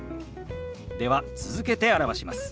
では続けて表します。